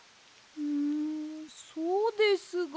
んそうですが。